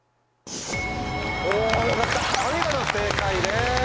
お見事正解です。